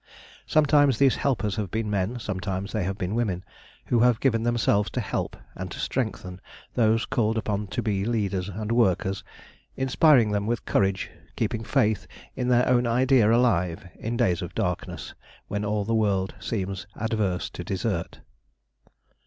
Sometimes these helpers have been men, sometimes they have been women, who have given themselves to help and to strengthen those called upon to be leaders and workers, inspiring them with courage, keeping faith in their own idea alive, in days of darkness, When all the world seems adverse to desert.